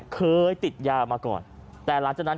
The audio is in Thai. เคยติดยามาก่อนแต่หลังจากนั้น